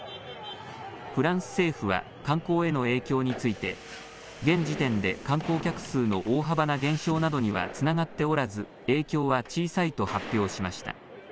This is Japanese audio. フランス政府は観光への影響について現時点で観光客数の大幅な減少などにはつながっておらず影響は小さいと発表しました。